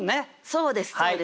そうですそうです。